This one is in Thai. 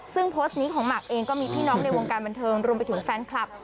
ซึ่งโพสต์นี้ของหมากเองก็มีพี่น้องในวงการบันเทิงรวมไปถึงแฟนคลับ